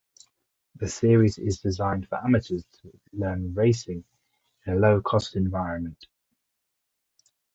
The series is designed for amateurs to learn racing in a low-cost environment.